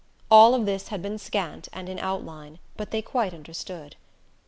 All this had been scant and in outline, but they quite understood.